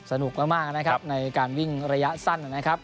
สนุกมากนะครับในการวิ่งระยะสั้นนะครับ